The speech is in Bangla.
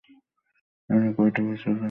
আপনি কয়টা ভাষা জানেন?